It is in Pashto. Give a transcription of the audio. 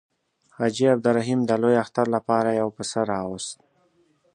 حاجي عبدالرحیم د لوی اختر لپاره یو پسه راووست.